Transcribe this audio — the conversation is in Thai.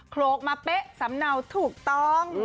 โคลกมาเป๊ะสำเนาถูกต้อง